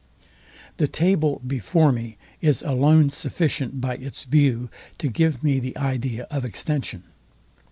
The table before me is alone sufficient by its view to give me the idea of extension.